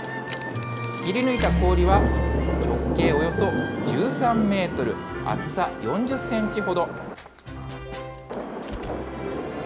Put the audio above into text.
切り抜いた氷は、直径およそ１３メートル、厚さ４０センチほど。